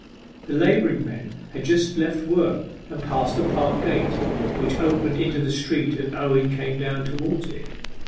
The labouring men had just left work, and passed the park gate, which opened into the street as Owen came down towards it.